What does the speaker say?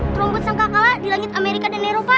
trombot sangka kala di langit amerika dan eropa